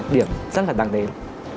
điểm rất là đáng tin